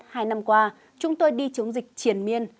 hai năm qua chúng tôi đi chống dịch triển miên